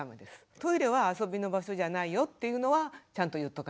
トイレは遊びの場所じゃないよというのはちゃんと言っとかないと駄目ですね。